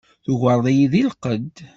Tugareḍ-iyi deg lqedd.